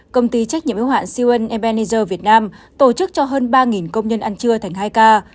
công ty trách nhiệm yếu hạn cun mnlj việt nam tổ chức cho hơn ba công nhân ăn trưa thành hai ca